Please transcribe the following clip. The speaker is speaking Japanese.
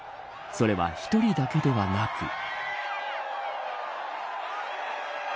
それは１人だけではなく。